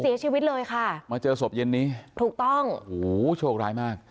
โอ้โหมาเจอศพเย็นนี้ถูกต้องโอ้โหโชคร้ายมาก